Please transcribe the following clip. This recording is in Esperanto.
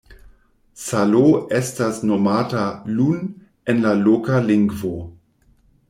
Salo estas nomata "Lun" en la loka lingvo.